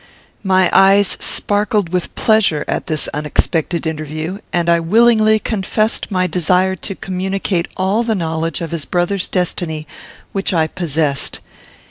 My eyes sparkled with pleasure at this unexpected interview, and I willingly confessed my desire to communicate all the knowledge of his brother's destiny which I possessed.